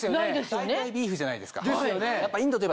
大体ビーフじゃないですか。ですよね。